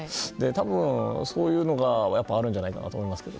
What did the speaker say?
たぶん、そういうのがあるんじゃないかと思います。